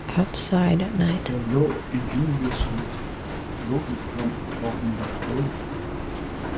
der laae en henvisnet Lotus-Blomst, hvor hun havde staaet.